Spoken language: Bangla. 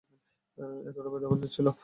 এতটা ব্যবধান ছিল!